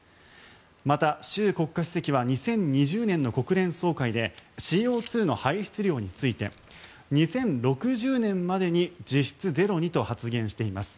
また習国家主席は２０２０年の国連総会でＣＯ２の排出量について２０６０年までに実質ゼロにと発言しています。